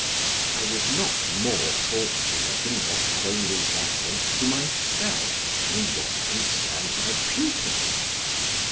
I was not more fortunate in what had only reference to myself, than in what concerned my pupils.